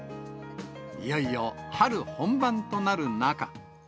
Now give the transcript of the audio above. いよいよ春本番となる中。